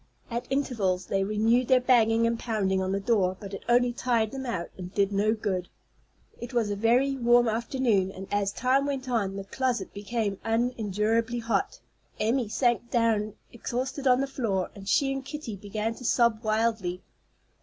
At intervals they renewed their banging and pounding on the door, but it only tired them out, and did no good. It was a very warm afternoon, and, as time went on, the closet became unendurably hot. Emmy sank down exhausted on the floor, and she and Kitty began to sob wildly.